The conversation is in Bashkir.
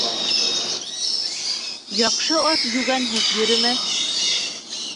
Яҡшы ат йүгәнһеҙ йөрөмәҫ.